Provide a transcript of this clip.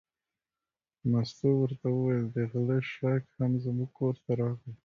مستو ورته وویل: د غله شړک هم زموږ کور ته راغی.